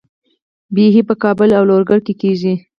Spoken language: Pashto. بیحي په کابل او لوګر کې کیږي.